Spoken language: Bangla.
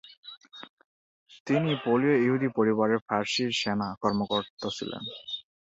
তিনি পোলীয় ইহুদি পরিবারে ফরাসি সেনা কর্মকর্তা ছিলেন।